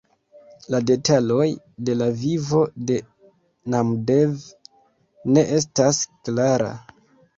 La detaloj de la vivo de Namdev ne estas klara.